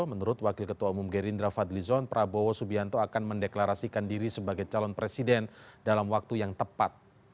menurut wakil ketua umum gerindra fadlizon prabowo subianto akan mendeklarasikan diri sebagai calon presiden dalam waktu yang tepat